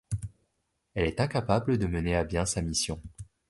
Elle est incapable de mener à bien sa mission.